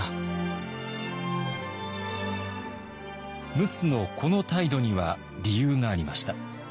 陸奥のこの態度には理由がありました。